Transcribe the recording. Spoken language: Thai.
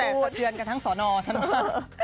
แต่สะเทือนกันทั้งสอนอฉันว่า